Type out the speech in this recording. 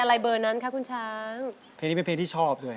อะไรเบอร์นั้นคะคุณช้างเพลงนี้เป็นเพลงที่ชอบด้วย